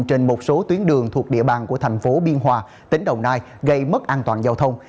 trên một số tuyến đường thuộc địa bàn của thành phố biên hòa tỉnh đồng nai gây mất an toàn giao thông